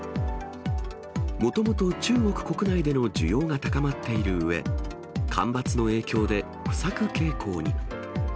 もともと中国国内での需要が高まっているうえ、干ばつの影響で不作傾向に。